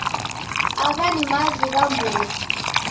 Agha ni mavi gha mburi